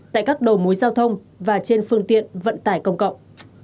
tại các đầu mối giao thông và trên phương tiện vận tải công cộng